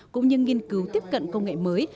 cũng như nghiên cứu tiếp cận công nghệ mới